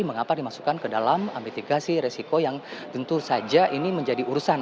mengapa dimasukkan ke dalam mitigasi resiko yang tentu saja ini menjadi urusan